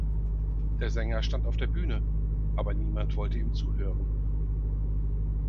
Der Sänger stand auf der Bühne, aber niemand wollte ihm zuhören.